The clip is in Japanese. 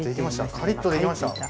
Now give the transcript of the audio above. カリッとできました。